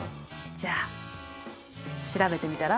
じゃあ調べてみたら？